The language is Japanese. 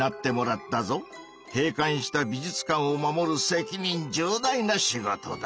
閉館した美術館を守る責任重大な仕事だ。